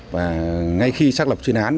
và ngay khi xác lập chuyên án